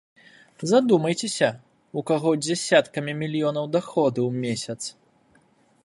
Задумайцеся, у каго дзясяткамі мільёнаў даходы ў месяц.